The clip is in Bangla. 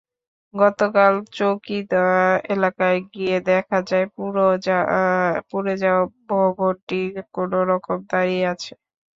গতকাল চৌকিদহ এলাকায় গিয়ে দেখা যায়, পুড়ে যাওয়া ভবনটি কোনোরকমে দাঁড়িয়ে আছে।